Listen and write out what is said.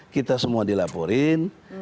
kita semua dilaporin